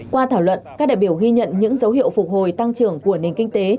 qua thảo luận các đại biểu ghi nhận những dấu hiệu phục hồi tăng trưởng của nền kinh tế